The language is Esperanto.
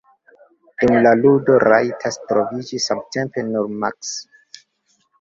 Dum la ludo, rajtas troviĝi samtempe nur maks.